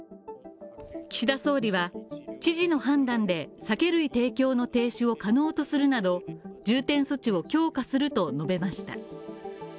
岸田総理は知事の判断で、酒類提供の停止を可能とするなど重点措置を強化すると述べました。